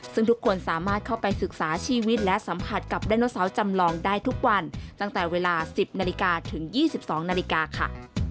ซึ่งทุกคนสามารถเข้าไปศึกษาชีวิตและสัมผัสกับไดโนเสาร์จำลองได้ทุกวันตั้งแต่เวลา๑๐นาฬิกาถึง๒๒นาฬิกาค่ะ